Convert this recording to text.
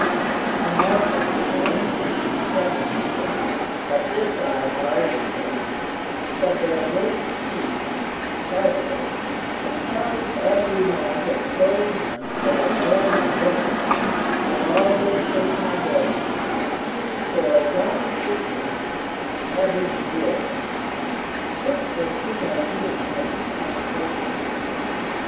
"I am also informed," said my uncle, "but this I hardly believe, that their Great Chief (President) compels every man to pay him for the land he lives upon and all his personal goods even for his own existence every year!" (This was his idea of taxation.)